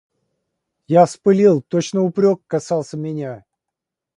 Я вспылил, точно упрек касался меня.